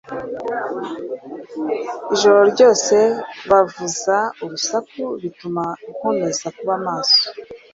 Ijoro ryose bavuza urusaku, bituma nkomeza kuba maso.